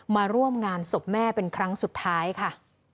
มาร่วมงานศพแม่เป็นครั้งสุดท้ายค่ะ